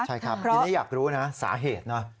ทีนี้อยากรู้นะสาเหตุเนอะ